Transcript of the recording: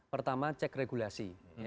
pertama cek regulasi